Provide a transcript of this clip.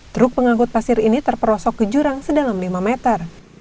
truk pengangkut pasir ini terperosok ke jurang sedalam lima meter